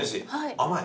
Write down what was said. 甘い？